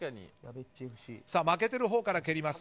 負けてるほうから蹴ります。